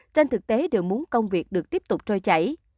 trên thực tế đều muốn công việc được tiếp tục trôi chảy